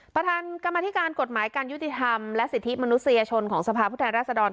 ประธานกรรมธิการกฎหมายการยุติธรรมและสิทธิมนุษยชนของสภาพผู้แทนรัศดร